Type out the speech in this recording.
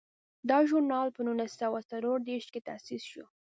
دا ژورنال په نولس سوه څلور دیرش کې تاسیس شو.